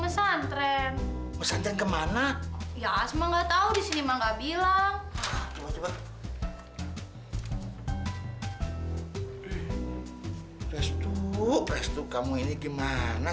sampai jumpa di video selanjutnya